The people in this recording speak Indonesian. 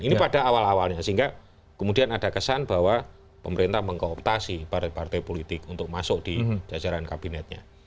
ini pada awal awalnya sehingga kemudian ada kesan bahwa pemerintah mengkooptasi partai partai politik untuk masuk di jajaran kabinetnya